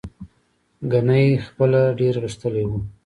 ګنې خپله ډېر غښتلی و.